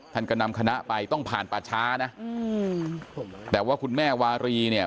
ท่านก็นำคณะไปต้องผ่านป่าช้านะอืมแต่ว่าคุณแม่วารีเนี่ย